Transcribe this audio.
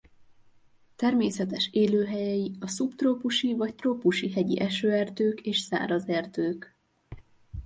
Természetes élőhelyei a szubtrópusi vagy trópusi hegyi esőerdők és száraz erdők.